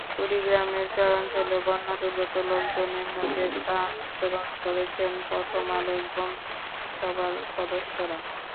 কুড়িগ্রামের চরাঞ্চলে বন্যাদুর্গত লোকজনের মধ্যে ত্রাণ বিতরণ করেছেন প্রথম আলোর বন্ধুসভার সদস্যরা।